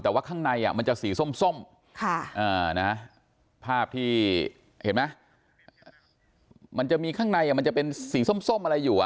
แต่ว่าข้างในมันจะสีส้มภาพที่เห็นไหมมันจะมีข้างในมันจะเป็นสีส้มอะไรอยู่